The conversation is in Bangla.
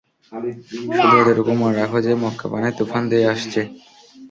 শুধু এতটুকু মনে রাখ যে, মক্কাপানে তুফান ধেয়ে আসছে।